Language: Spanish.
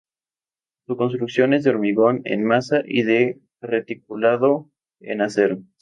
Su construcción es de hormigón en masa y de reticulado de acero.